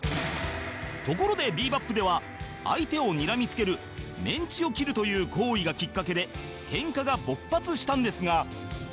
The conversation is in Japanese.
ところで『ビー・バップ』では相手をにらみつけるメンチを切るという行為がきっかけでケンカが勃発したんですが